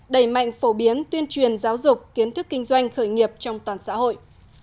đẩy mạnh phổ biến tuyên truyền giáo dục kiến thức kinh doanh khởi nghiệp trong toàn xã hội